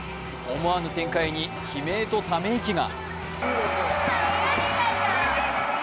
思わぬ展開に悲鳴とため息が。